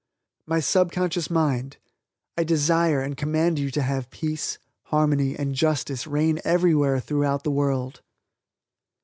"My Subconscious Mind, I desire and command you to have peace, harmony and justice reign everywhere throughout the world."